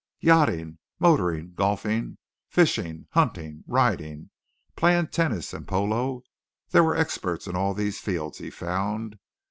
Yachting, motoring, golfing, fishing, hunting, riding, playing tennis and polo, there were experts in all these fields he found.